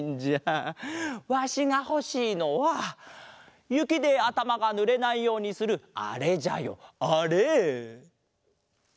わしがほしいのはゆきであたまがぬれないようにするあれじゃよあれ。